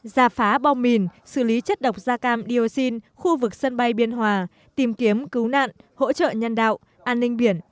giả phá bom mìn xử lý chất độc da cam dioxin khu vực sân bay biên hòa tìm kiếm cứu nạn hỗ trợ nhân đạo an ninh biển